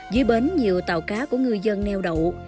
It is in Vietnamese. dưới bến nhiều tàu cá của ngư dân neo đậu